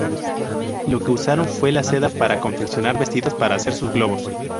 Lo que usaron fue la seda para confeccionar vestidos para hacer sus globos.